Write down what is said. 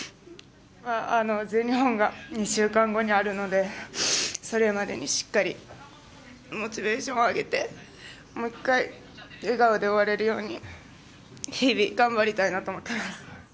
全日本が２週間後にあるのでそれまでにしっかりモチベーションを上げてもう１回、笑顔で終われるように日々、頑張りたいなと思っています。